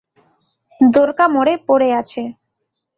দ্বোরকা মরে পরে আছে!